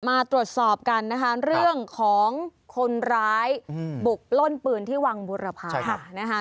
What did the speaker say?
มาตรวจสอบกันนะคะเรื่องของคนร้ายบุกปล้นปืนที่วังบุรพานะคะ